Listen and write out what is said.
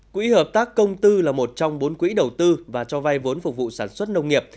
quỹ hợp tác công tư là một trong bốn quỹ đầu tư và cho vay vốn phục vụ sản xuất nông nghiệp